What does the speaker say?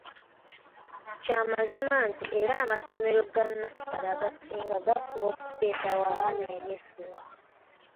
Kya mazima nti era amasomero ga nnasale agasinga gafuba okuteerawo abaana ebyesuubo.